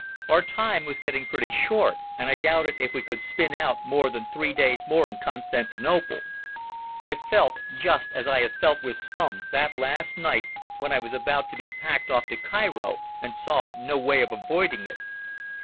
Our time was getting pretty short, and I doubted if we could spin out more than three days more in Constantinople. I felt just as I had felt with Stumm that last night when I was about to be packed off to Cairo and saw no way of avoiding it.